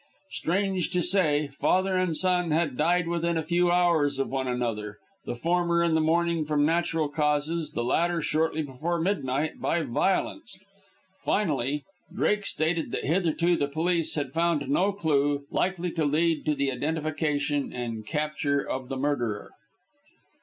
Strange to say, father and son had died within a few hours of one another, the former in the morning from natural causes, the latter shortly before midnight by violence. Finally, Drake stated that hitherto the police had found no clue likely to lead to the identification and capture of the murderer.